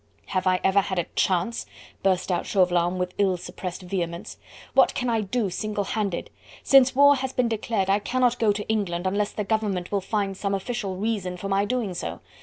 "Have I ever had a chance?" burst out Chauvelin with ill suppressed vehemence. "What can I do single handed? Since war has been declared I cannot go to England unless the Government will find some official reason for my doing so.